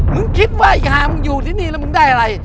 มึงคิดว่าอีกหากมึงอยู่ที่นี่แล้วมึงได้อะไร